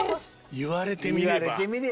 言われてみれば。